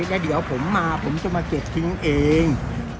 แล้วเดี๋ยวผมมาผมจะมาเก็บทิ้งเอง